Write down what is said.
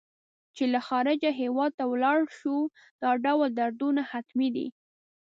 چې له خارجه هېواد ته ولاړ شو دا ډول دردونه حتمي دي.